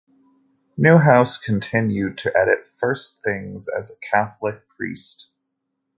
Neuhaus continued to edit "First Things" as a Catholic priest.